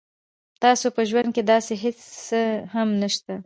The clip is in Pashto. تاسو په ژوند کې داسې هیڅ څه هم نشته